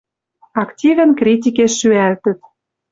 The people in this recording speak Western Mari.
Активӹн критикеш шӱӓлтӹт.